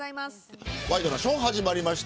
ワイドナショー始まりました。